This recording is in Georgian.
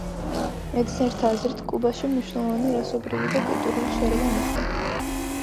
მეცნიერთა აზრით, კუბაში მნიშვნელოვანი რასობრივი და კულტურული შერევა მოხდა.